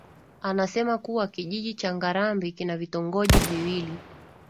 Anasema kuwa Kijiji cha Ngarambi kina vitongoji viwili